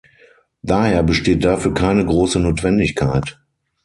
Daher besteht dafür keine große Notwendigkeit.